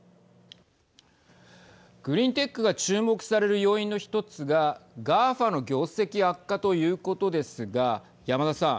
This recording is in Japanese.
グリーンテックが注目される要因の１つがＧＡＦＡの業績悪化ということですが山田さん。